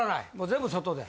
全部外で？